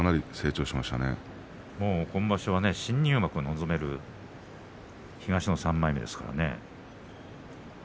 今場所は新入幕を望める東の３枚目です。